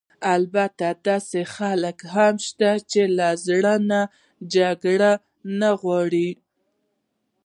البته داسې خلک هم شته چې له زړه نه جګړه نه غواړي.